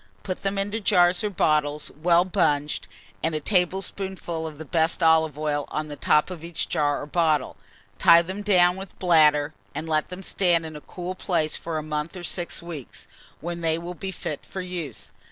Put them into jars or bottles well bunged, and a tablespoonful of the best olive oil on the top of each jar or bottle. Tie them down with bladder, and let them stand in a cool place for a month or six weeks, when they will be fit for use.